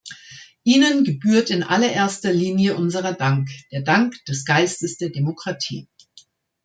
Ihnen gebührt in allererster Linie unser Dank, der Dank des Geistes der Demokratie!